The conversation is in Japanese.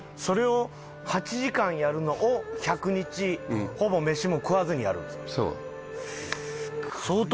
それを８時間やるのを１００日ほぼ飯も食わずにやるんですか？